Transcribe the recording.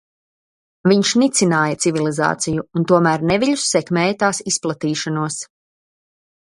Viņš nicināja civilizāciju un tomēr neviļus sekmēja tās izplatīšanos.